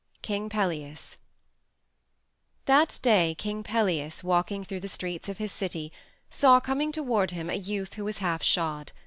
II. KING PELIAS That day King Pelias, walking through the streets of his city, saw coming toward him a youth who was half shod.